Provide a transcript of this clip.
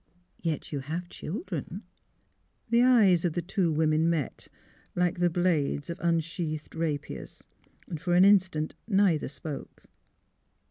" Yet you have children." The eyes of the two women met, like the blades of unsheathed rapiers. SYLVIA'S CHILD 287 For an instant neither spoke.